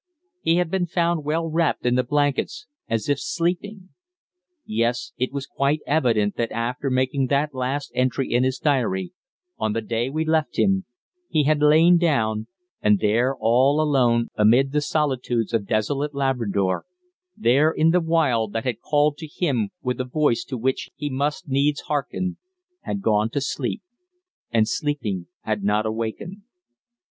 He had been found well wrapped in the blankets, as if sleeping. Yes, it was quite evident that after making that last entry in his diary on the day we left him, he had lain down, and there all alone amid the solitudes of desolate Labrador, there in the wild that had called to him with a voice to which he must needs harken, had gone to sleep, and sleeping had not awakened.